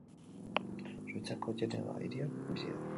Suitzako Geneva hirian bizi da.